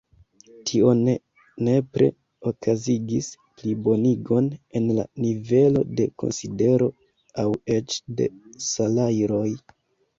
Tio ne nepre okazigis plibonigon en la nivelo de konsidero aŭ eĉ de salajroj.